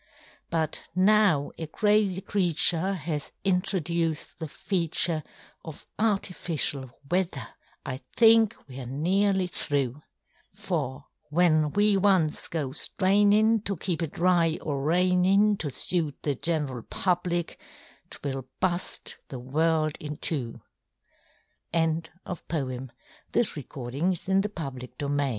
But now a crazy creature has introduced the feature Of artificial weather, I think weŌĆÖre nearly through. For when we once go straininŌĆÖ to keep it dry or raininŌĆÖ To suit the general public, ŌĆÖtwill bust the world in two, WAS, IS, AND YET TO BE Was, Is, an